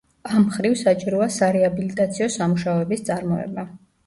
ამ მხრივ საჭიროა სარეაბილიტაციო სამუშაოების წარმოება.